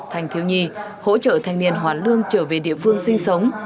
thành thiếu nhi hỗ trợ thanh niên hoán lương trở về địa phương sinh sống